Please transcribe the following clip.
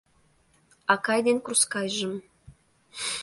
Акай дене курскайжым